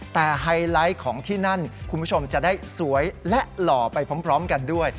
แต่ไฮไลท์ของที่นั่นคุณผู้ชมจะได้สวยและหล่อไปพร้อมกันด้วย